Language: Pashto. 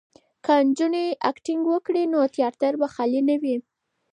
که نجونې اکټینګ وکړي نو تیاتر به خالي نه وي.